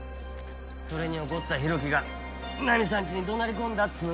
それに怒った浩喜がナミさんちに怒鳴り込んだっつう噂やろ。